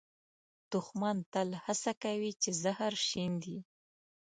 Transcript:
دښمن تل هڅه کوي چې زهر شیندي